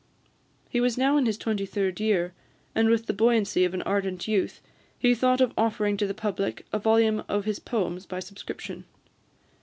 He was now in his twenty third year; and with the buoyancy of ardent youth, he thought of offering to the public a volume of his poems by subscription.